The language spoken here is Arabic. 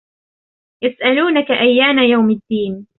يسألون أيان يوم الدين